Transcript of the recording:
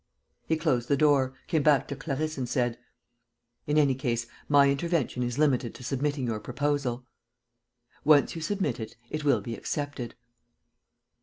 He closed the door, came back to Clarisse and said: "In any case, my intervention is limited to submitting your proposal." "Once you submit it, it will be accepted."